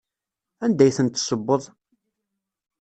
Anda ay ten-tessewweḍ?